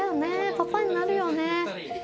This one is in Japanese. パパになるよね。